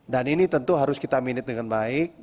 dan ini tentu harus kita minit dengan baik